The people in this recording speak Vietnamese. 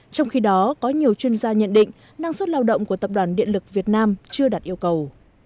trong khi đó có nhiều chuyên gia nhận định năng suất lao động của tập đoàn điện lực việt nam chưa đạt yêu cầu